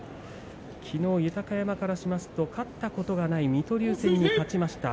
きのう豊山からしますと勝ったことがない水戸龍戦に勝ちました。